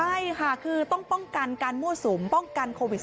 ใช่ค่ะคือต้องป้องกันการมั่วสุมป้องกันโควิด๑๙